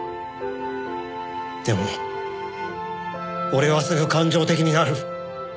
でも俺はすぐ感情的になる。